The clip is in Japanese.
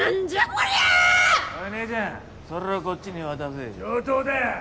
おい姉ちゃんそれをこっちに渡せ上等だ